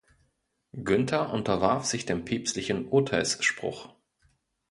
Günther unterwarf sich dem päpstlichen Urteilsspruch.